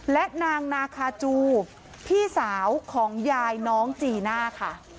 และนางนาคาจูพี่สาวของยายน้องจีน่าค่ะ